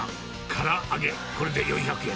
から揚げ、これで４００円。